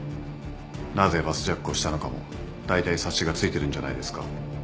なぜバスジャックをしたのかもだいたい察しがついてるんじゃないですか？